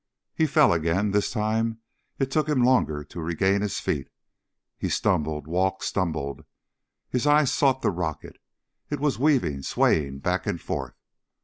He fell again. This time it took him longer to regain his feet. He stumbled ... walked ... stumbled. His eyes sought the rocket. It was weaving, swaying back and forth.